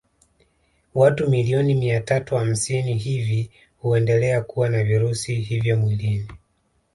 Watu milioni mia tatu hamsini hivi huendelea kuwa na virusi hivyo mwilini